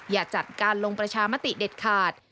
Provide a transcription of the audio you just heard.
อย่าจัดการลงประชามติเด็ดขาด